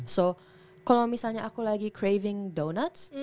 so kalau misalnya aku lagi craving downuts